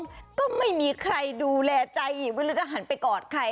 แล้วก็ไม่มีใครดูแลใจอีกไม่รู้จะหันไปกอดใคร